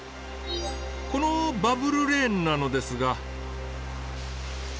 このバブルレーンなのですが。